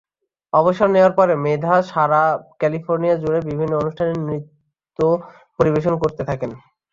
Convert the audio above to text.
অবসর নেওয়ার পরে মেধা সারা ক্যালিফোর্নিয়া জুড়ে বিভিন্ন অনুষ্ঠানে নৃত্য পরিবেশন করতে থাকেন।